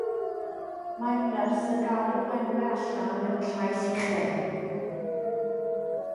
Mae'r nyrs yn galw enwau allan mewn llais uchel.